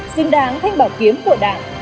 xứng đáng thanh bảo kiếm của đảng